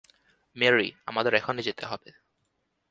Mary, আমাদের এখনি যেতে হবে।